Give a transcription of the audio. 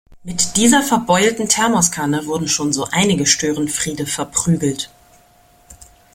Mit dieser verbeulten Thermoskanne wurden schon so einige Störenfriede verprügelt.